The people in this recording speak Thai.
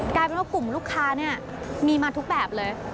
กลายเป็นว่ากลุ่มลูกค้าเนี่ยมีมาทุกแบบเลย